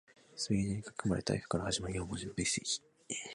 滑り台に書き込まれた Ｆ から始まる四文字のメッセージ